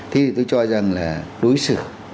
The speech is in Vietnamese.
thì tôi cho rằng là đối xử